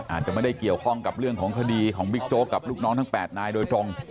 อาจจะไม่ได้เกี่ยวข้องกับเรื่องของคดีของบิ๊กโจ๊กกับลูกน้องทั้ง๘นายโดยตรง